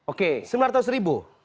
oke sembilan tahun seribu